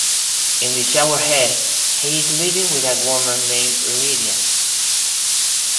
In "The Shower Head", he is living with a woman named Lydia.